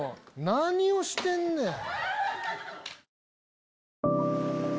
何をしてんねん！